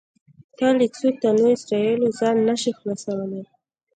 ته له څو تنو اسرایلو ځان نه شې خلاصولی.